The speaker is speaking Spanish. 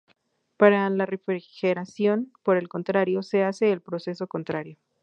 Para la refrigeración, por el contrario, se hace el proceso contrario.